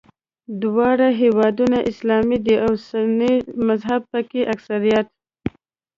دواړه هېوادونه اسلامي دي او سني مذهب په کې اکثریت دی.